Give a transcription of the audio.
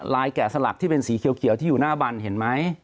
แกะสลักที่เป็นสีเขียวที่อยู่หน้าบันเห็นไหม